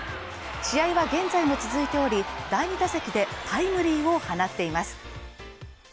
試合は現在も続いており、第２打席でタイムリーを放っています。